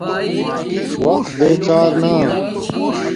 وقت بے کار نا